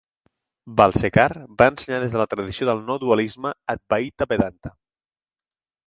Balsekar va ensenyar des de la tradició del no dualisme Advaita Vedanta.